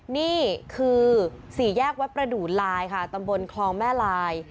นี่คือสี่แยกวัดประดูดลายค่ะตำบลคลองแม่ลาย